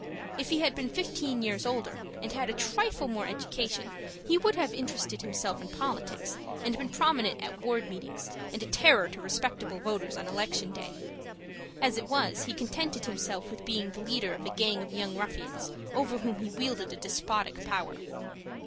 If he had been fifteen years older, and had a trifle more education, he would have interested himself in politics, and been prominent at ward meetings, and a terror to respectable voters on election day. As it was, he contented himself with being the leader of a gang of young ruffians, over whom he wielded a despotic power.